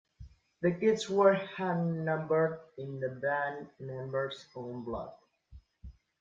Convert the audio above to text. The kits were hand numbered in the band member's own blood.